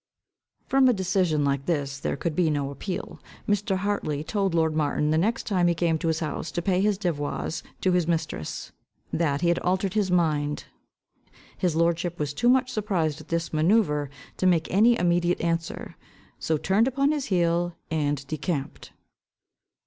From a decision like this there could be no appeal. Mr. Hartley told lord Martin, the next time he came to his house to pay his devoirs to his mistress, that he had altered his mind. His lordship was too much surprised at this manoeuvre to make any immediate answer; so turned upon his heel, and decamped.